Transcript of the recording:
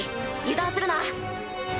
油断するな。